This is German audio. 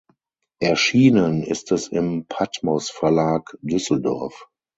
Erschienen ist es im Patmos Verlag, Düsseldorf.